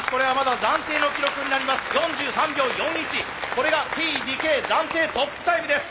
これがＴ・ＤＫ暫定トップタイムです。